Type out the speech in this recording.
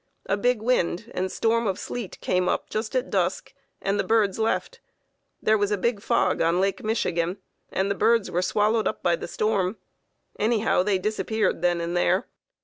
A big wind and storm of sleet came up just at dusk and the birds left; there was a big fog on Lake Michigan, and the birds were swallowed up by the storm; anyhow they disappeared then and there.